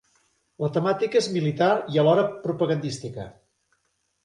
La temàtica és militar i alhora propagandística.